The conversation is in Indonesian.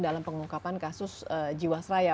dalam pengungkapan kasus jiwasraya